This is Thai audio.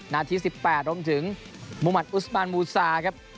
นาทีสิบแปดร่มถึงมุมัติอุสบานมูศาครับ